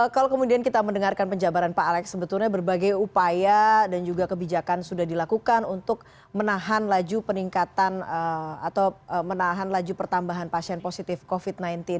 kalau kemudian kita mendengarkan penjabaran pak alex sebetulnya berbagai upaya dan juga kebijakan sudah dilakukan untuk menahan laju peningkatan atau menahan laju pertambahan pasien positif covid sembilan belas